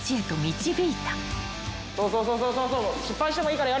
そうそうそうそう。